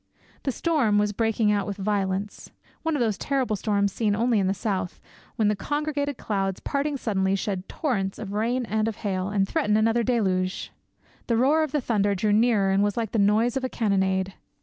The storm was breaking out with violence; one of those terrible storms seen only in the South, when the congregated clouds, parting suddenly, shed torrents of rain and of hail, and threaten another deluge. The roar of the thunder drew nearer and was like the noise of a cannonade.